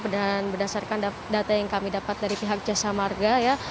dan berdasarkan data yang kami dapat dari pihak jasa marga ya